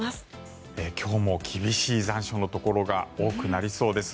今日も厳しい残暑のところが多くなりそうです。